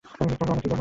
কী করব আমরা?